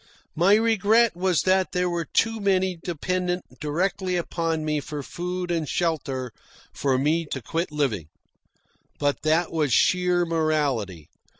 My regret was that there were too many dependent directly upon me for food and shelter for me to quit living. But that was sheer morality.